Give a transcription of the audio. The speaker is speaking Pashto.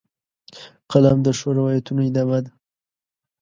قلم د ښو روایتونو ادامه ده